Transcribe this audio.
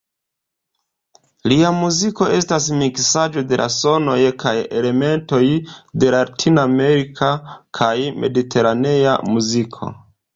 Lia muziko estas miksaĵo de sonoj kaj elementoj de latinamerika kaj mediteranea muziko.